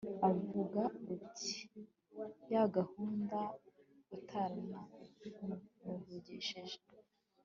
ukavuga uti yagukunda utanamuvugishije